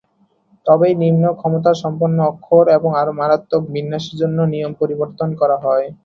তবে নিম্ন-ক্ষমতাসম্পন্ন অক্ষর এবং আরও মারাত্মক বিন্যাসের জন্য নিয়ম পরিবর্তন করা হয়।